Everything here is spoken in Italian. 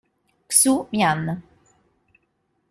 Xu Mian